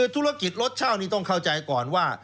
ธุรกิจรถเช่านี่ต้องเข้าใจก่อนว่า